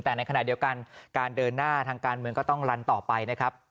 แต่ในขณะเดียวกันการเดินหน้าทางการเมืองก็ต้องลันต่อไปนะครับ